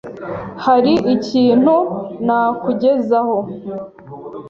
Hari ikintu nakugezaho?